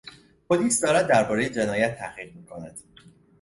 پلیس دارد دربارهی جنایت تحقیق میکند.